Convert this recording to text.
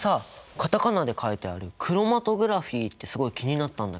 カタカナで書いてあるクロマトグラフィーってすごい気になったんだけど。